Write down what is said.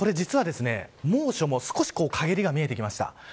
猛暑も少し陰りが見えてきました。